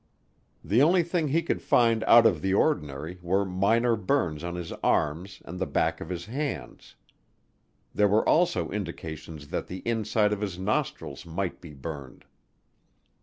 The only thing he could find out of the ordinary were minor burns on his arms and the back of his hands. There were also indications that the inside of his nostrils might be burned.